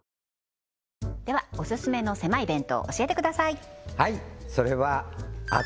ではオススメのせまい弁当教えてください